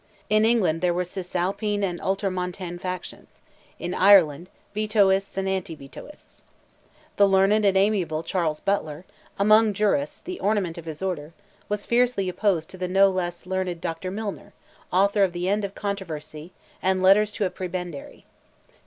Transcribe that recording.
In England there were Cisalpine and Ultramontane factions; in Ireland, Vetoists and anti Vetoists. The learned and amiable Charles Butler—among jurists, the ornament of his order, was fiercely opposed to the no less learned Dr. Milner, author of "The End of Controversy," and "Letters to a Prebendary."